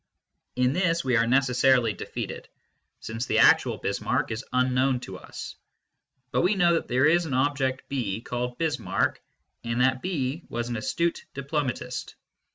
In this we are necessarily defeated, since the actual Bismarck is unknown to us. But we know that there is an object B called Bismarck, and that B was an astute diplomatist.